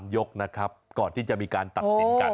ยกนะครับก่อนที่จะมีการตัดสินกัน